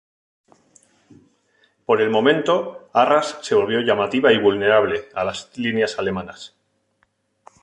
Por el momento, Arras se volvió llamativa y vulnerable a las líneas alemanas.